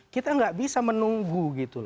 kita nggak bisa menunggu gitu loh